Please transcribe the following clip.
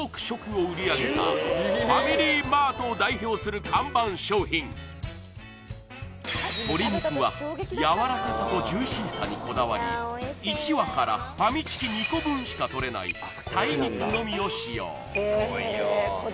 食を売り上げたファミリーマートを代表する看板商品鶏肉はやわらかさとジューシーさにこだわり１羽からファミチキ２個分しか取れないサイ肉のみを使用